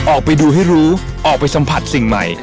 ออกไปดูให้รู้ออกไปสัมผัสสิ่งใหม่